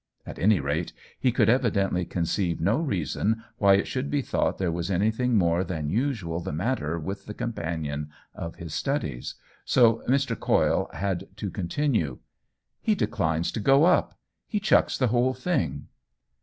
At any rate he could evidently conceive no reason why it should be thought there was anything more than usual the matter with the com panion of his studies ; so Mr. Coyle had to continue :" He declines to go up. He chucks the whole thing